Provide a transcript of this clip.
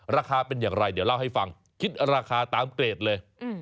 ราคาเป็นอย่างไรเดี๋ยวเล่าให้ฟังคิดราคาตามเกรดเลย